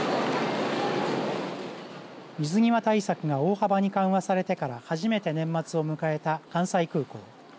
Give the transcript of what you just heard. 水際対策が大幅に緩和されてから初めて年末を迎えた関西空港。